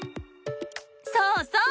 そうそう！